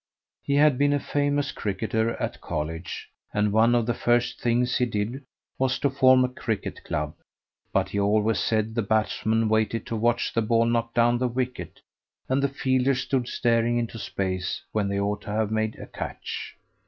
He had been a famous cricketer at college, and one of the first things he did was to form a cricket club; but he always said the batsman waited to watch the ball knock down the wicket, and the fielders stood staring into space when they ought to have made a catch.